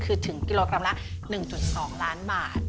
คือถึงกิโลกรัมละ๑๒ล้านบาท